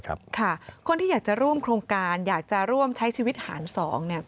คนที่อยากจะร่วมโครงการอยากจะร่วมใช้ชีวิตหารสองเนี่ย